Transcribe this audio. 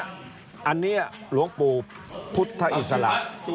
อันนี้หลวงปู่พุทธอิสระ